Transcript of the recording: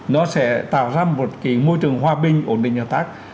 nó sẽ tạo ra một môi trường hòa bình ổn định hợp tác